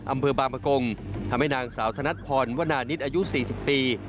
อำเภอบางประกงทำให้นางสาวธนัดพรวนานิตอายุ๔๐ปี